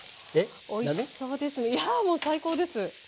いやもう最高です！